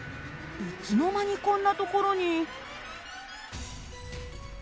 いつの間にこんな所に。